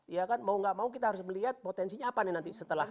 ya kan mau gak mau kita harus melihat potensinya apa nih nanti setelah